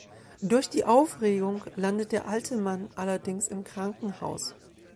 Durch die Aufregung landet der alte Mann allerdings im Krankenhaus.